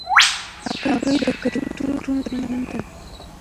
هغې د کرکټرونو فکرونو ته ننوتله.